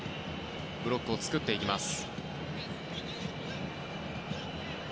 ブロックを作っていきます。